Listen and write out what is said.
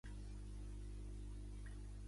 Presencie la mateixa dispersió ràpida d'alcaloides.